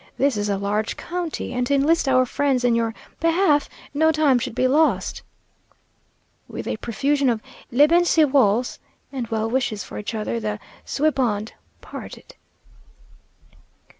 This is a large county, and to enlist our friends in your behalf no time should be lost." With a profusion of "Leben Sie wohls" and well wishes for each other, the "Zweibund" parted.